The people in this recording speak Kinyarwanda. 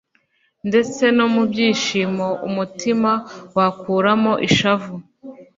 Ndetse no mu byishimo umutima wakuramo ishavu